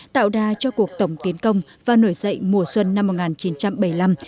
tạo đà cho cuộc tổng tiến công và nổi dậy mùa xuân năm một nghìn chín trăm bảy mươi năm